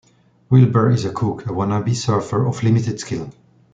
Wilbur is a kook, a wanna-be surfer of limited skill.